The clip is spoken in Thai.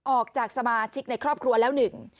ออกจากสมาชิกในครอบครัวแล้วหนึ่ง